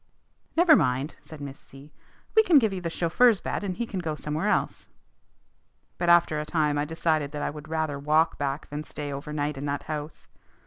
"Never mind," said Miss C ; "we can give you the chauffeur's bed and he can go somewhere else." But after a time I decided that I would rather walk back than stay overnight in that house.